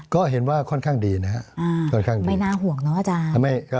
ก็เห็นว่าค่อนข้างดีนะครับค่อนข้างไม่น่าห่วงเนาะอาจารย์